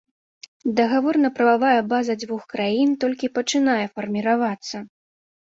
Дагаворна-прававая база дзвюх краін толькі пачынае фарміравацца.